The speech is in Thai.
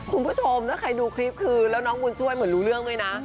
คุณผู้ชมถ้าใครดูคลิปคือแล้วน้องบุญช่วยเหมือนรู้เรื่องด้วยนะ